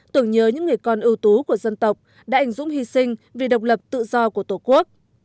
tưởng nhớ những người con ưu tú của dân tộc đã ảnh dũng hy sinh vì độc lập tự do của tổ quốc